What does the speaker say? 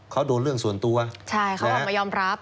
เขาโดนเรื่องส่วนตัวใช่เขาออกมายอมรับ